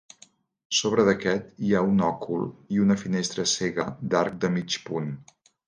Sobre d'aquest hi ha un òcul i una finestra cega d'arc de mig punt.